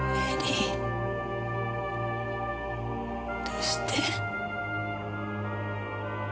どうして？